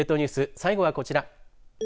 最後はこちら。